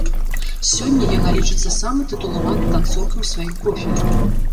Сёння яна лічыцца самай тытулаванай танцоркай у сваім профілі.